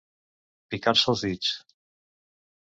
Picar-se els dits.